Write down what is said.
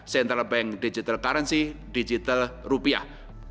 central bank digital currency digital rupiah